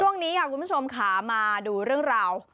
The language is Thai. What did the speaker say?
ช่วงนี้ค่ะคุณผู้ชมค่ะมาดูเรื่องราว